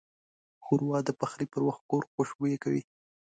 ښوروا د پخلي پر وخت کور خوشبویه کوي.